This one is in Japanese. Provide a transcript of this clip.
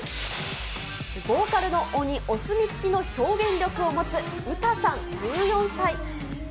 ボーカルの鬼、お墨付きの表現力を持つウタさん１４歳。